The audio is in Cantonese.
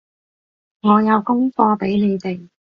我有功課畀你哋